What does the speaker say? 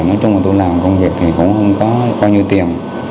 nói chung là tôi làm công việc thì cũng không có bao nhiêu tiền